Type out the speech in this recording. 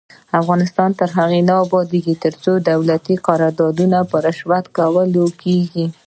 افغانستان تر هغو نه ابادیږي، ترڅو دولتي قراردادونه په رشوت ورکول کیږي.